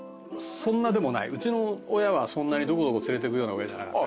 うちの親はそんなにどこどこ連れてくような親じゃなかった。